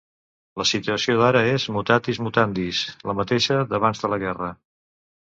La situació d'ara és, 'mutatis mutandis', la mateixa d'abans de la guerra.